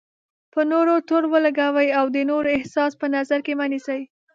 پر نورو تور ولګوئ او د نورو احساس په نظر کې مه نیسئ.